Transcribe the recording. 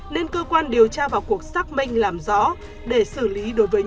nên cơ quan điều tra vào cuộc xác minh làm rõ để xử lý đối với những